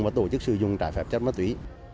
và tổ chức sử dụng trái phép chất ma túy